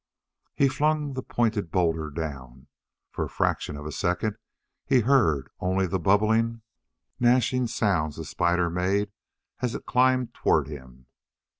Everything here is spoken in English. He flung the pointed boulder down. For the fraction of a second he heard only the bubbling, gnashing sounds the spider made as it climbed toward him.